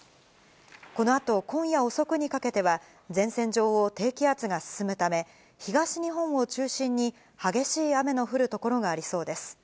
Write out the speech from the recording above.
このあと今夜遅くにかけては、前線上を低気圧が進むため、東日本を中心に激しい雨の降る所がありそうです。